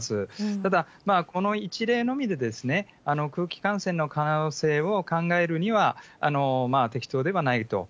ただ、この１例のみで空気感染の可能性を考えるには適当ではないと。